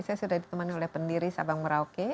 saya sudah ditemani oleh pendiri sabang merauke